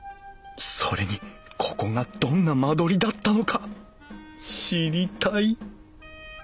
それにここがどんな間取りだったのか知りたい！